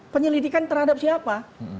penyelidikan terhadap siapa